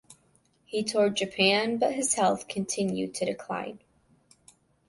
He toured Japan but his health continued to decline.